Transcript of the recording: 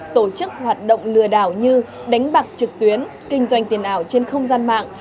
tổ chức hoạt động lừa đảo như đánh bạc trực tuyến kinh doanh tiền ảo trên không gian mạng